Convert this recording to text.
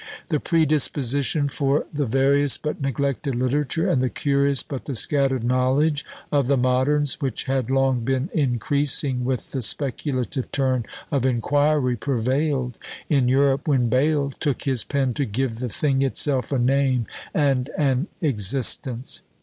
The predisposition for the various but neglected literature, and the curious but the scattered knowledge of the moderns, which had long been increasing, with the speculative turn of inquiry, prevailed in Europe when Bayle took his pen to give the thing itself a name and an existence.